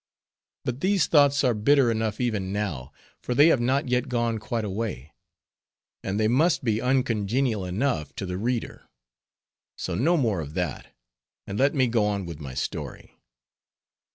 But these thoughts are bitter enough even now, for they have not yet gone quite away; and they must be uncongenial enough to the reader; so no more of that, and let me go on with my story.